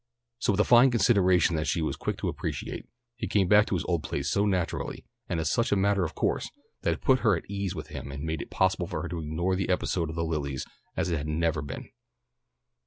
So with a fine consideration that she was quick to appreciate, he came back to his old place so naturally, and as such a matter of course, that it put her at her ease with him and made it possible for her to ignore the episode of the lilies as if it had never been.